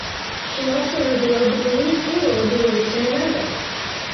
She also revealed that the lead single would be released in November.